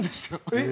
えっ？